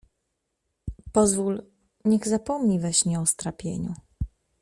Pozwól, niech zapomni we śnie o strapieniu.